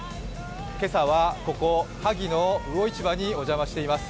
今朝は、ここ萩の魚市場にお邪魔しています。